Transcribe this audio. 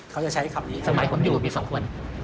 เขาจะใช้ขำแล้วเหรอครับในสมัยผมอยู่มี๒คน